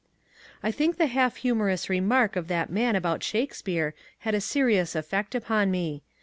I think the half humourous remark of that man about Shake speare had a serious effect upon me.